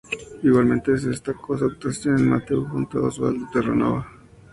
Igualmente se destacó su actuación en "Mateo" junto a Osvaldo Terranova.